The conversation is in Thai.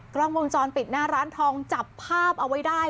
กล้องวงจรปิดหน้าร้านทองจับภาพเอาไว้ได้